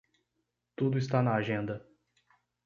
Tudo está na agenda.